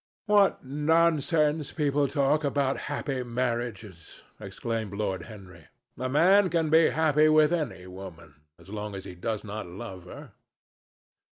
"What nonsense people talk about happy marriages!" exclaimed Lord Henry. "A man can be happy with any woman, as long as he does not love her."